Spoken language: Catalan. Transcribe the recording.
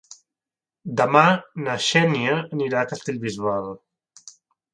Demà na Xènia anirà a Castellbisbal.